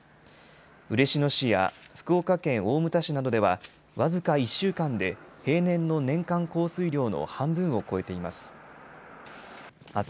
嬉野市や福岡県大牟田市などでは僅か１週間で平年の年間降水量の半分を超えています。